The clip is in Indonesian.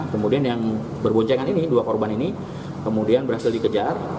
kemudian yang berboncengan ini dua korban ini kemudian berhasil dikejar